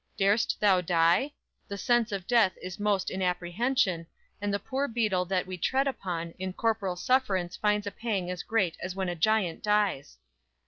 Dar'st thou die? The sense of death is most in apprehension; And the poor beetle that we tread upon, In corporal sufferance finds a pang as great As when a giant dies!